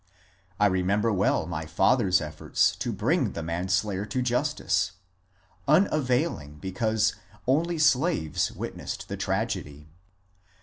I remember well my father's efforts to bring the manslayer to justice, — unavailing because only slaves witnessed the tragedy.